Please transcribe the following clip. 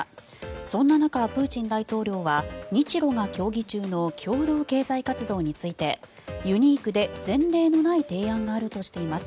そんな中、プーチン大統領は日ロが協議中の共同経済活動についてユニークで前例のない提案があるとしています。